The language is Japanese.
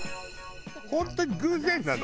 本当に偶然なの？